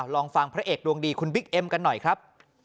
ลองฟังพระเอกดวงดีคุณบิ๊กเอ็มกันหน่อยครับ